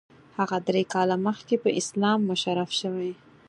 هغه درې کاله مخکې په اسلام مشرف شوی.